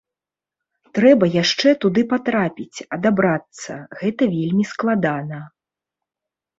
Трэба яшчэ туды патрапіць, адабрацца, гэта вельмі складана.